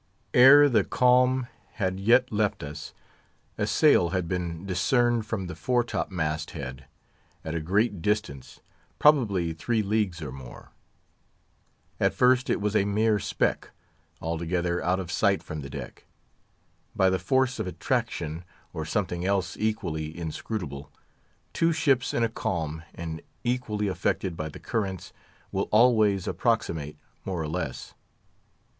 Ere the calm had yet left us, a sail had been discerned from the fore top mast head, at a great distance, probably three leagues or more. At first it was a mere speck, altogether out of sight from the deck. By the force of attraction, or something else equally inscrutable, two ships in a calm, and equally affected by the currents, will always approximate, more or less.